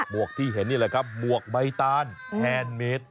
วกที่เห็นนี่แหละครับหมวกใบตานแฮนเมด